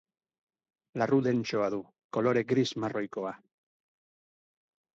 Larru dentsoa du, kolore gris-marroikoa.